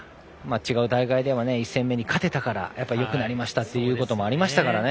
違う大会では１戦目に勝てたからよくなりましたってこともありましたからね。